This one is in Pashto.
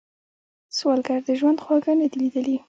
سوالګر د ژوند خواږه نه دي ليدلي